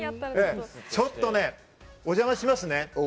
ちょっとお邪魔しますね。